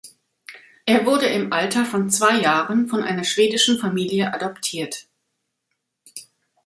Er wurde im Alter von zwei Jahren von einer schwedischen Familie adoptiert.